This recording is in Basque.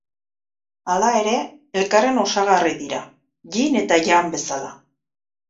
Hala ere, elkarren osagarri dira, yin eta yang bezala.